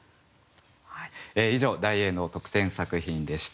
以上題詠の特選作品でした。